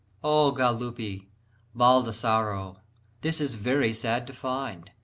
] Oh, Galuppi, Baldassaro, this is very sad to find!